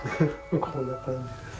こんな感じです。